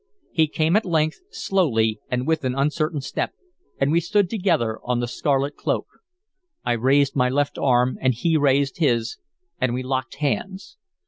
He came at length, slowly and with an uncertain step, and we stood together on the scarlet cloak. I raised my left arm and he raised his, and we locked hands.